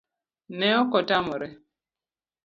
Ne okotamore